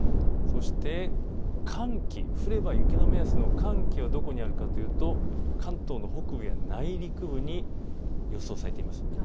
そして、寒気、降れば雪の目安の寒気がどこにあるかというと北部や内陸部に予想されています。